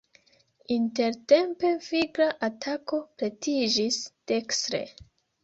Intertempe vigla atako pretiĝis dekstre.